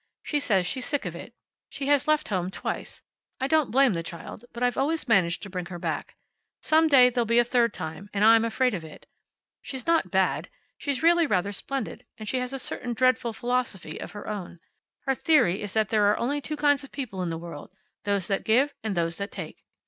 She says she's sick of it. She has left home twice. I don't blame the child, but I've always managed to bring her back. Some day there'll be a third time and I'm afraid of it. She's not bad. She's really rather splendid, and she has a certain dreadful philosophy of her own. Her theory is that there are only two kinds of people in the world. Those that give, and those that take.